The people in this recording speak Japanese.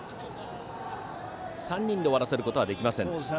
３人で終わらせることはできませんでした。